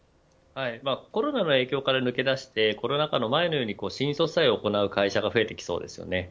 コロナの影響から抜け出してコロナ禍の前のように新卒採用を行う会社が増えてきそうです。